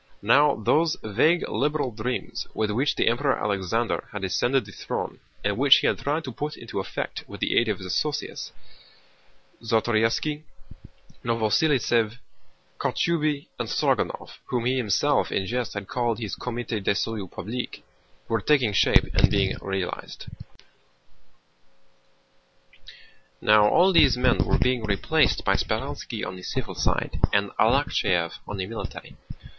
Now those vague liberal dreams with which the Emperor Alexander had ascended the throne, and which he had tried to put into effect with the aid of his associates, Czartorýski, Novosíltsev, Kochubéy, and Strógonov—whom he himself in jest had called his Comité de salut public—were taking shape and being realized. Now all these men were replaced by Speránski on the civil side, and Arakchéev on the military.